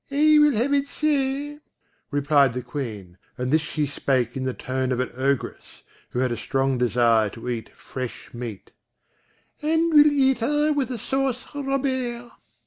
"I will have it so," replied the Queen (and this she spake in the tone of an Ogress, who had a strong desire to eat fresh meat), "and will eat her with a Sauce Robert."